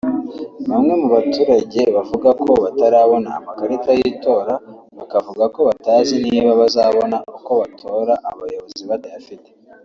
Bamwe mu baturage bavuga ko batarabona amakarita y’Itora bakavuga ko batazi niba bazabona uko bazatora abayobozi batayafite